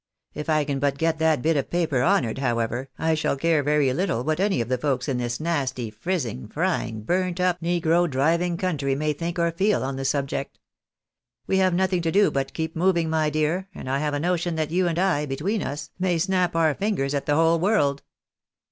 If I can but get that bit of paper honoured, however, I shall care very little what any of the folks in this nasty, frizzing, frying, burnt up, negro driving country, may think or feel on the subject. We have nothing to do but keep moving, my dear, and I have a notion that you and I, between us, may snap our fingers at the whole world."